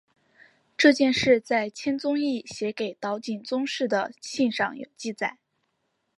这件事在千宗易写给岛井宗室的信上有记载。